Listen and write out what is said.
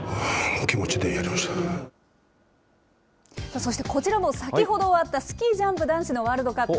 そしてこちらも、先ほど終わったスキージャンプ男子のワールドカップ。